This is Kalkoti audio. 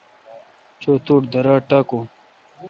چو۔ تو ٹھ۔ درا تہ ٹاکون۔